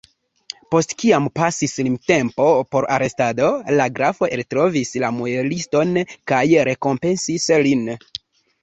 Post kiam pasis limtempo por arestado, la grafo eltrovis la mueliston kaj rekompensis lin.